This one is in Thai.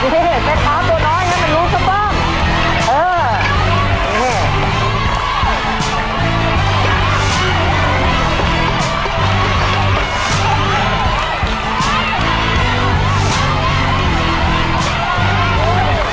เฮ้เฮเป็นพาสตัวน้อยให้มันรู้ซะเบิ้มเออ